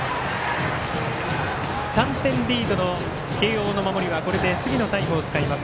３点リードの慶応の守りはこれで守備のタイムを使います。